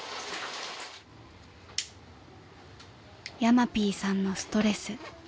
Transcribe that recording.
［ヤマピーさんのストレス］